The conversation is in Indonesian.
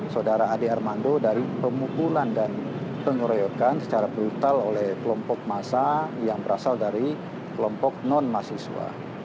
saudara ade armando dari pemukulan dan pengeroyokan secara brutal oleh kelompok massa yang berasal dari kelompok non mahasiswa